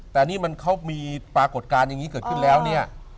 แต่นี่มันเขามีปรากฏการณ์อย่างนี้เกิดขึ้นแล้วเนี่ย